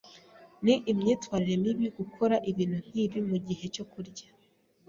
Ni imyitwarire mibi gukora ibintu nkibi mugihe cyo kurya.